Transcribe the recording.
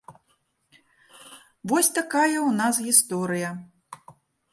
Вось такая ў нас гісторыя.